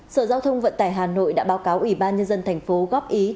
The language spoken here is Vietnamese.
sở giao thông vận tải hà nội đã báo cáo ủy ban nhân dân thành phố góp ý